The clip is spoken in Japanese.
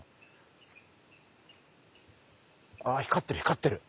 あ光ってる光ってる。